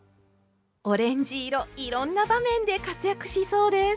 オレンジ色いろんな場面で活躍しそうです。